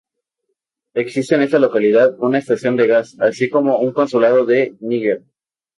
Existe en esta localidad una estación de gas, así como un consulado de Níger.